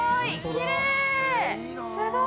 きれい！